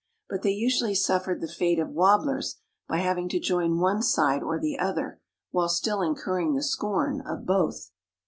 But they usually suffered the fate of wobblers by having to join one side or the other, while still incurring the scorn of both.